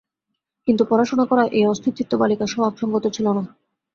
কিন্তু পড়াশুনা করা এই অস্থিরচিত্ত বালিকার স্বভাবসংগত ছিল না।